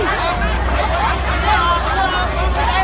ก็ไม่มีเวลาให้กลับมาเท่าไหร่